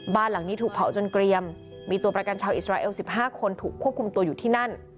บ้านหลังนี้ถูกเผาจนเกรียมมีตัวประกันชาวอิสราเอล๑๕คนถูกควบคุมตัวอยู่ที่นั่น